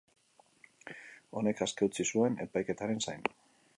Honek aske utzi zuen, epaiketaren zain.